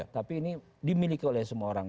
tapi ini dimiliki oleh semua orang